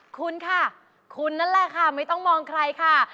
คุณค่ะคุณนั่นแหละค่ะไม่ต้องมองใครค่ะ